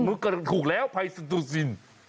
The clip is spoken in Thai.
มึงก็ถูกแล้วพัยสโตซีน